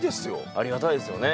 ありがたいですよね